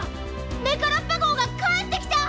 メカラッパ号がかえってきた！